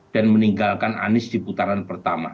dan meninggalkan anies di putaran pertama